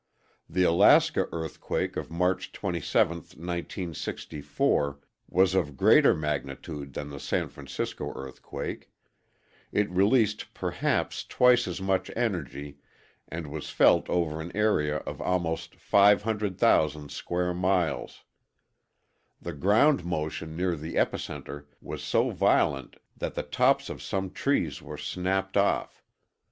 The Alaska earthquake of March 27, 1964, was of greater magnitude than the San Francisco earthquake; it released perhaps twice as much energy and was felt over an area of almost 500,000 square miles. The ground motion near the epicenter was so violent that the tops of some trees were snapped off.